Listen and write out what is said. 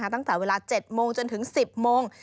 ตั้งแต่เวลา๗โมงจนถึง๑๐โมง